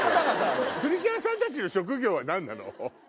プリキュアさんたちの職業は何なの？